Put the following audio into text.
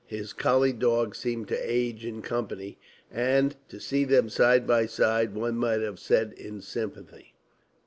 His collie dog seemed to age in company, and, to see them side by side, one might have said, in sympathy.